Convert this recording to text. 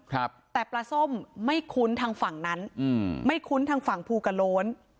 ครับแต่ปลาส้มไม่คุ้นทางฝั่งนั้นอืมไม่คุ้นทางฝั่งภูกระโล้น